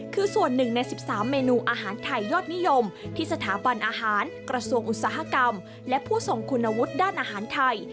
คือส่วนหนึ่งใน๑๓เมนูอาหารไทยยอดนิยมที่สถาบันอาหารกระทรวงอุตสาหกรรมและผู้ทรงคุณวุฒิด้านอาหารไทย